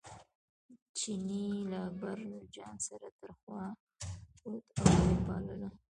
چیني له اکبرجان سره تر خوا پروت او یې پاللو.